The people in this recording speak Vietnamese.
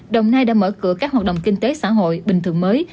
đồng nai đã mở cửa các hoạt động kinh tế xã hội bình thường mới